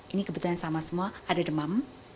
ini kebetulan sama semua ada demam